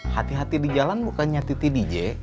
hati hati di jalan bukannya titi dj